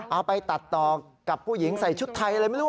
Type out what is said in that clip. เอาไปตัดต่อกับผู้หญิงใส่ชุดไทยอะไรไม่รู้